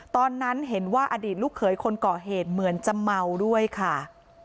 ตอนนั้นเห็นว่าอดีตลูกเขยคนก่อเหตุเหมือนจะเมาด้วยค่ะ